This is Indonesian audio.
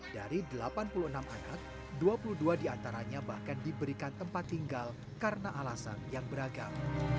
dari delapan puluh enam anak dua puluh dua diantaranya bahkan diberikan tempat tinggal karena alasan yang beragam